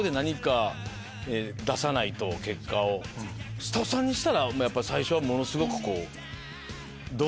スタッフさんにしたら最初はものすごく。